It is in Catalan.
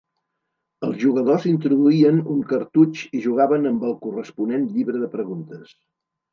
Els jugadors introduïen un cartutx i jugaven amb el corresponent llibre de preguntes.